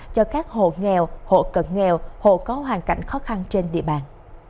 cho các hộ nghèo hộ cận nghèo hộ có hoàn cảnh khó khăn trên địa bàn